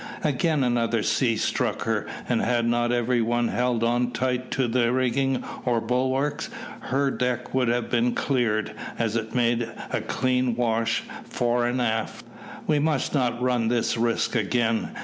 Again another sea struck her; and had not every one held on tight to the rigging or bulwarks, her deck would have been cleared, as it made a clean wash fore and aft. "We must not run this risk again!"